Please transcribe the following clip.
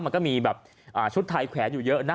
มันก็มีแบบชุดไทยแขวนอยู่เยอะนะ